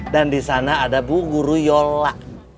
dan disana ada bu guru yola